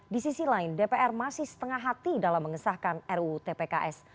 di sisi lain dpr masih setengah hati dalam mengesahkan ruu tpks